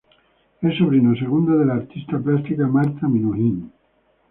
Es sobrino segundo de la artista plástica Marta Minujín.